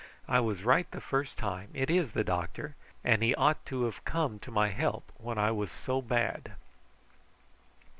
"I was right the first time. It is the doctor, and he ought to have come to my help when I was so bad."